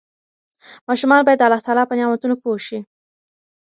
ماشومان باید د الله تعالی په نعمتونو پوه شي.